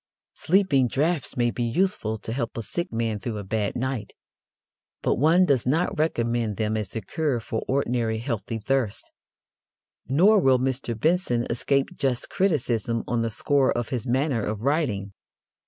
Sleeping draughts may be useful to help a sick man through a bad night, but one does not recommend them as a cure for ordinary healthy thirst. Nor will Mr. Benson escape just criticism on the score of his manner of writing.